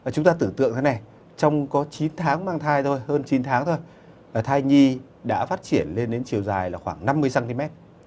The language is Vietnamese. chúng ta tưởng tượng thế này trong có chín tháng mang thai thôi hơn chín tháng thôi thai nhi đã phát triển lên đến chiều dài là khoảng năm mươi cm